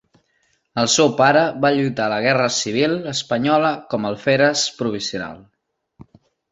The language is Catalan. El seu pare va lluitar a la guerra civil espanyola com a alferes provisional.